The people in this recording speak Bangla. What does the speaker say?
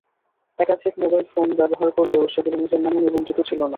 একাধিক মোবাইল ফোন ব্যবহার করলেও সেগুলো নিজের নামে নিবন্ধিত ছিল না।